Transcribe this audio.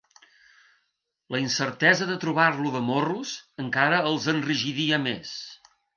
La incertesa de trobar-lo de morros encara els enrigidia més.